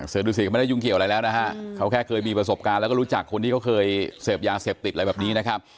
ดูสิก็ไม่ได้ยุ่งเกี่ยวอะไรแล้วนะฮะเขาแค่เคยมีประสบการณ์แล้วก็รู้จักคนที่เขาเคยเสพยาเสพติดอะไรแบบนี้นะครับ